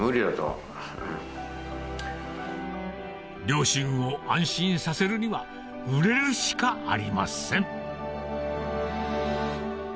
両親を安心させるには売れるしかありません